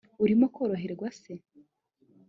urimo koroherwa se!